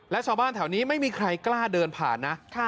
และชาวบ้านแถวนี้ไม่มีใครกล้าเดินผ่านนะ